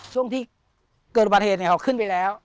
ช่วงที่สุดประสุนีเขาขึ้นไปแล้ว